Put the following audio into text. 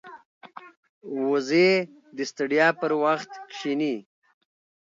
وزې د ستړیا پر وخت کښیني